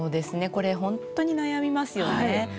これほんとに悩みますよね。